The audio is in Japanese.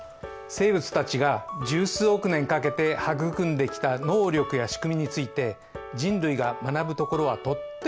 生物たちが十数億年かけて育んできた能力や仕組みについて人類が学ぶところはとっても大きいんだ。